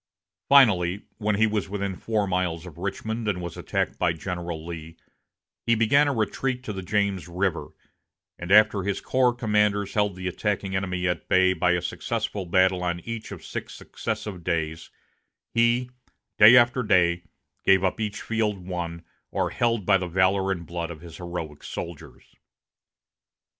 Finally, when he was within four miles of Richmond and was attacked by General Lee, he began a retreat to the James River, and after his corps commanders held the attacking enemy at bay by a successful battle on each of six successive days, he day after day gave up each field won or held by the valor and blood of his heroic soldiers.